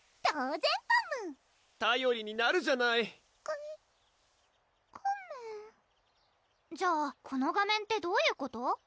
当然パムたよりになるじゃないコメコメじゃあこの画面ってどういうこと？